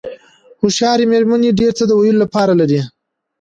هوښیارې مېرمنې ډېر څه د ویلو لپاره لري.